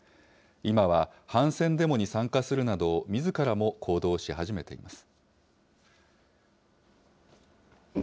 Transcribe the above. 今は反戦デモに参加するなど、みずからも行動し始めています。